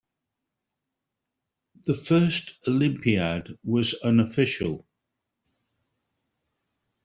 The first Olympiad was unofficial.